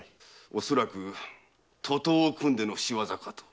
おそらく徒党を組んでの仕業かと。